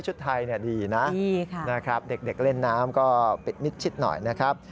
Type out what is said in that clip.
ไทยดีนะนะครับเด็กเล่นน้ำก็ปิดมิดชิดหน่อยนะครับ